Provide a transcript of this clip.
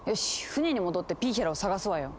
船に戻ってピーヒャラを探すわよ。